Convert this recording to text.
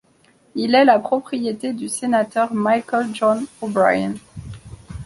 Il est la propriété du Sénateur Michael John O'Brien.